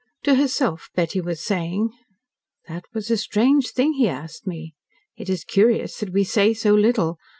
To herself Betty was saying: "That was a strange thing he asked me. It is curious that we say so little.